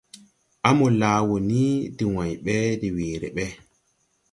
Á mo laa wɔ ni de wãy ɓe, de weere ɓe,